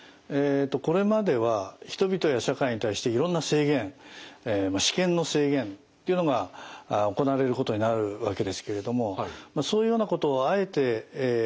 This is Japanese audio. これまでは人々や社会に対していろんな制限私権の制限っていうのが行われることになるわけですけれどもそういうようなことをあえてしてでもですね